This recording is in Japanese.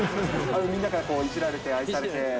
みんなからいじられて、愛されて。